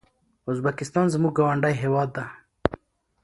ازبکستان زموږ ګاونډی هيواد ده